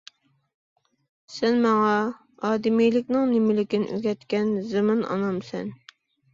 سەن ماڭا ئادىمىيلىكنىڭ نېمىلىكىنى ئۆگەتكەن زېمىن ئانامسەن.